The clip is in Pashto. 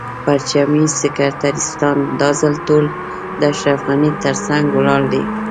پرچمي سکتریستان دا ځل ټول د اشرف غني تر څنګ ولاړ دي.